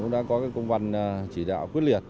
đã có công văn chỉ đạo quyết liệt